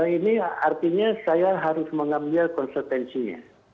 ini artinya saya harus mengambil konsekuensinya